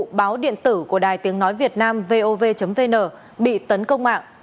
các bộ điện tử của đài tiếng nói việt nam vov vn bị tấn công mạng